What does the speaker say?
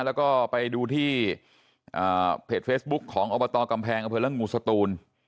แล้วก็ไปดูที่เพจเฟซบุ๊คของอบตกำแพงอำเภอละงูสตูน